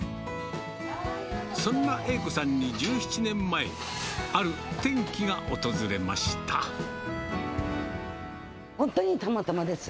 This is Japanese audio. そんな栄子さんに１７年前、本当にたまたまです。